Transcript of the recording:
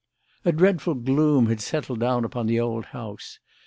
A dreadful gloom had settled down upon the old house.